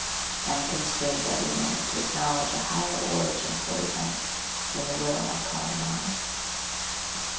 I am constrained every moment to acknowledge a higher origin for events than the will I call mine.